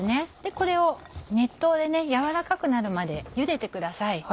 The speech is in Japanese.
これを熱湯で軟らかくなるまでゆでてください。